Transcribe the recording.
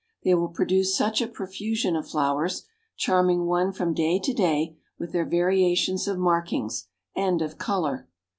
They will produce such a profusion of flowers, charming one from day to day with their variations of markings, and of color.